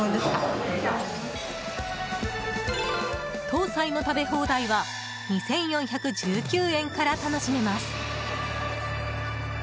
桃菜の食べ放題は２４１９円から楽しめます。